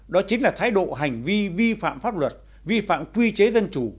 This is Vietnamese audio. đó chính là thái độ hành vi vi phạm pháp luật vi phạm quy chế dân chủ